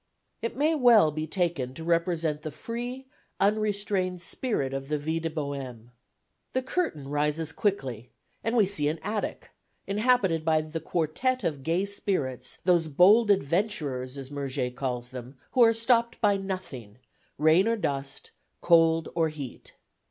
It may well be taken to represent the free unrestrained spirit of the VIE DE BOHÈME. The curtain rises quickly, and we see an attic, inhabited by the quartet of gay spirits, those bold adventurers, as Murger calls them, who are stopped by nothing rain or dust, cold or heat.